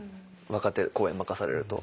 若手公演任されると。